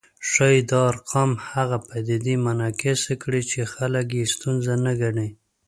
ښايي دا ارقام هغه پدیدې منعکس کړي چې خلک یې ستونزه نه ګڼي